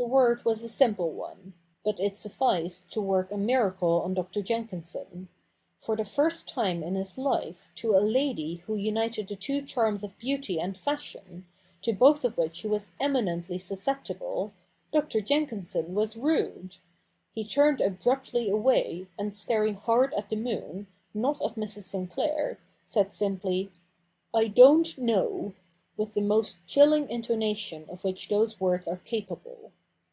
The word was a simple one ; but it sufficed to work a miracle on Dr. Jenkinson. For the first time in his life to a lady who united the two charms of beauty and fashion, to both of which he was eminently susceptible, Dr. Jenkinson was rude. He turned abruptly away, and staring hard at the moon, not at Mrs. Sinclair, said simply, ' I don't know,' with the most chilling intonation of which those words are capable.